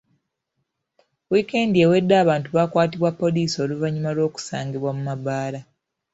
Wiikendi ewedde abantu bakwatibwa poliisi oluvannyuma lw’okusangibwa mu mabaala.